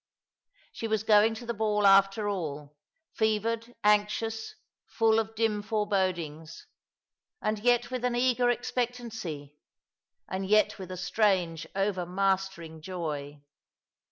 She was going to the ball after all, fevered, anxious, full of dim forebodings ; and yet with an eager expectancy ; and yet with a strange overmastering joy.